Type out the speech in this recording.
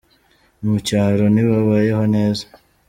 Mucyaro ntibabayeho neza